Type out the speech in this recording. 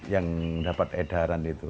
yang dapat edaran itu